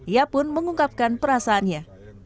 ia pun mengungkapkan perasaannya